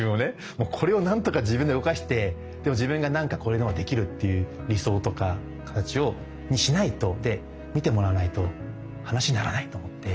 もうこれを何とか自分で動かして自分が何かこれでもできるっていう理想とか形にしないとで見てもらわないと話にならないと思って。